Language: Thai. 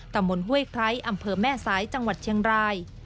ตำบลห้วยไคร้อำเภอแม่สายจังหวัดเชียงราย